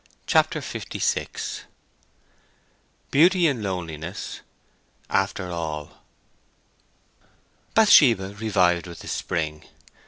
CHAPTER LVI BEAUTY IN LONELINESS—AFTER ALL Bathsheba revived with the spring.